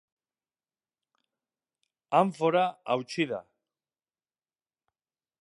Anfora hautsi da.